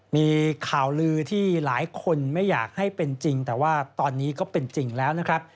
มีข่าวลือที่หลายคนไม่อยากให้เป็นจริงแต่ว่าตอนนี้ก็เป็นจริงแล้วนะครับ